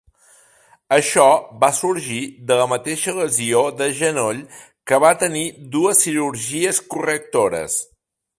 Això va sorgir de la mateixa lesió de genoll que va tenir dues cirurgies correctores.